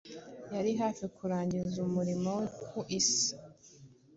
yari hafi kurangiza umurimo we ku isi.